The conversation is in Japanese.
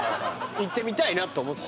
行ってみたいなと思ったよ